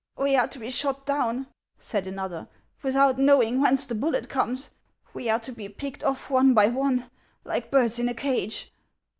" We are to be shot down," said another, " without knowing whence the bullet comes ; we are to be picked off one by one, like birds in a cage."